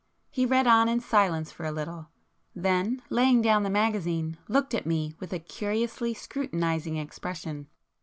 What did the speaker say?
He read on in silence for a little; then laying down the magazine looked at me with a curiously scrutinizing expression.